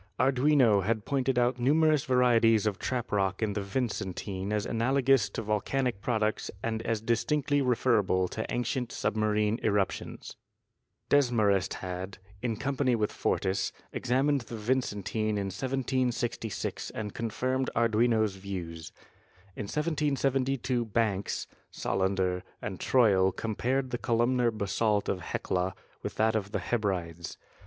Arduino had pointed out numerous varieties of trap rock in the Vicen tine as analogous to volcanic products and as distinctly referable to ancient submarine eruptions. Desmarest had, in company with Fortis, examined the Vicentine in 1766 and confirmed Arduino's views. In 1772 Banks, Solander and Troil compared the columnar basalt of Hecla with that of the Hebrides.